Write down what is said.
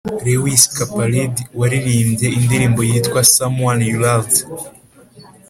lewis capaldi waririmbye indirimbo yitwa someone you loved